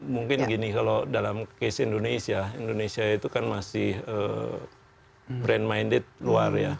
mungkin gini kalau dalam case indonesia indonesia itu kan masih brand minded luar ya